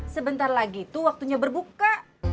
sebentar lagi tuh waktunya berbuka